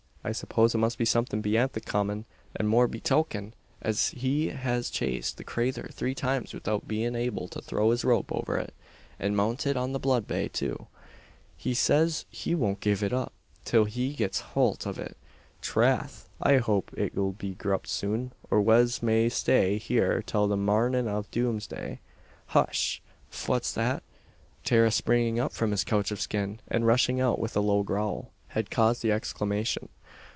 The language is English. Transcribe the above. I suppose it must be somethin' beyant the common the more be token, as he has chased the crayther three times widout bein' able to throw his rope over it an mounted on the blood bay, too. He sez he won't give it up, till he gets howlt of it. Trath! I hope it'll be grupped soon, or wez may stay here till the marnin' av doomsday. Hush! fwhat's that?" Tara springing up from his couch of skin, and rushing out with a low growl, had caused the exclamation.